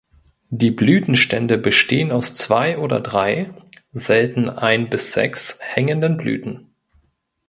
Die Blütenstände bestehen aus zwei oder drei (selten ein bis sechs) hängenden Blüten.